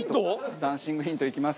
ダンシングヒントいきます？